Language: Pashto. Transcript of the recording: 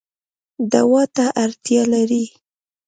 دوا ته اړتیا لرئ